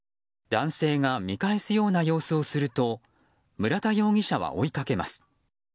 男性が見返すような様子をすると村田容疑者は追いかけます。